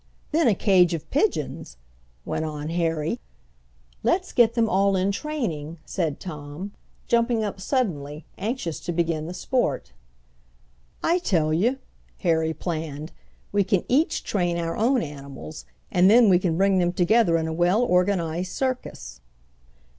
"Then a cage of pigeons," went on Harry. "Let's get them all in training," said Tom, jumping up suddenly, anxious to begin the sport. "I tell you!" Harry planned. "We can each train our own animals and then we can bring them together in a well organized circus."